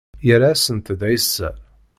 Yerra-asent-d ɛisa.